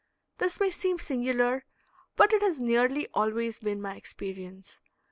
This may seem singular, but it has nearly always been my experience.